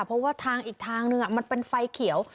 เพราะว่าทางอีกทางนึงมันเป็นไฟเขียว